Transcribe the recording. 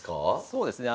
そうですね